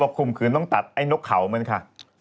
ข่มขืนต้องตัดไอ้นกเขามันค่ะ